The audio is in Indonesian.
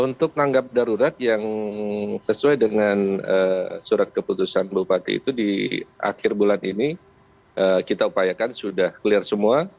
untuk tanggap darurat yang sesuai dengan surat keputusan bupati itu di akhir bulan ini kita upayakan sudah clear semua